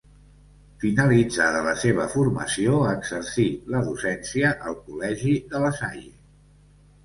Finalitzada la seva formació, exercí la docència al Col·legi de La Salle.